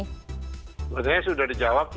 sebenarnya sudah dijawab